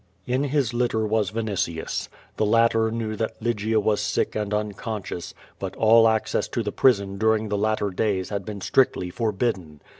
In his litter was Yinitius. The latter kne^v that Lygia was sick and unconscious, but all access to the prison during the latter days had been strictly forbidden.